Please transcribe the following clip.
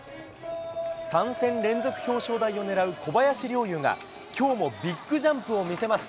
３戦連続表彰台を狙う小林陵侑が、きょうもビッグジャンプを見せました。